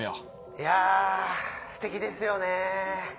いやぁすてきですよねぇ。